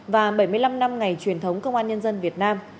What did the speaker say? và bảy mươi năm năm ngày truyền thống công an nhân dân việt nam